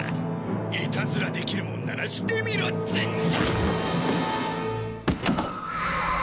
イタズラできるもんならしてみろっつーんだ！